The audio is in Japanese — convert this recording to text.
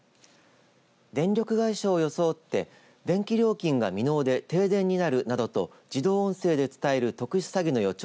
電力会社を装って電気料金が未納で停電になるなどと自動音声で伝える特殊詐欺の予兆